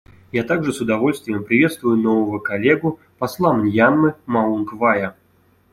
Я также с удовольствием приветствую нового коллегу посла Мьянмы Маунг Вая.